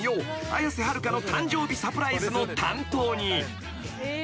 綾瀬はるかの誕生日サプライズの担当に］